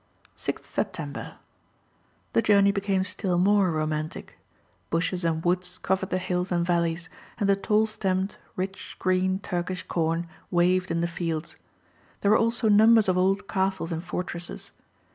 6th September. The journey became still more romantic. Bushes and woods covered the hills and valleys, and the tall stemmed, rich, green Turkish corn waved in the fields. There were also numbers of old castles and fortresses.